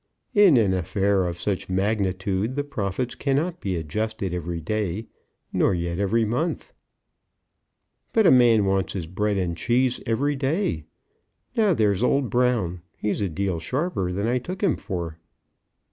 "In an affair of such magnitude the profits cannot be adjusted every day, nor yet every month." "But a man wants his bread and cheese every day. Now, there's old Brown. He's a deal sharper than I took him for."